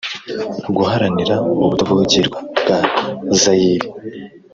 Guharanira ubutavogerwa bwa zayire